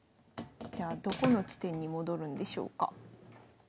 じゃあどこの地点に戻るんでしょうか。